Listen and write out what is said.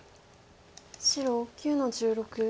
白９の十六。